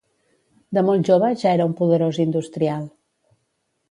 De molt jove ja era un poderós industrial.